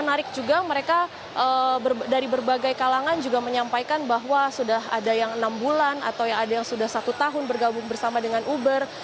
menarik juga mereka dari berbagai kalangan juga menyampaikan bahwa sudah ada yang enam bulan atau yang ada yang sudah satu tahun bergabung bersama dengan uber